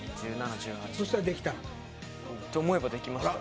そしたらできたの？と思えばできました